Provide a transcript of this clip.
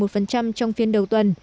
trong phiên đầu tuần